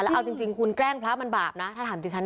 แล้วเอาจริงจริงคุณแกล้งพระมันบาปนะถ้าถามจริงฉัน